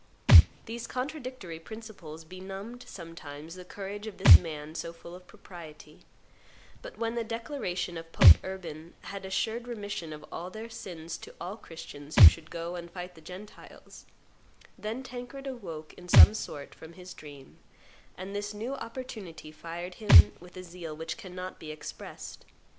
These contradictory principles benumbed sometimes the courage of this man so full of propriety; but when the declaration of Pope Urban had assured remission of all their sins to all Christians who should go and fight the Gentiles, then Tancred awoke in some sort from his dream, and this new opportunity fired him with a zeal which cannot be expressed.